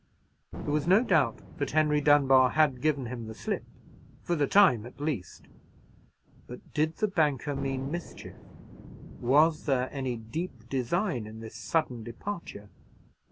There was no doubt that Henry Dunbar had given him the slip—for the time, at least; but did the banker mean mischief? was there any deep design in this sudden departure?